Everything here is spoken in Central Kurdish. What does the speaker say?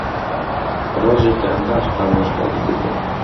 ڕۆژێکیان باش ئامۆژگاریی کردم